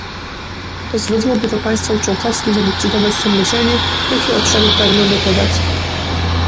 Pozwoliłoby to państwom członkowskim zadecydować samodzielnie, jakie obszary pragną dotować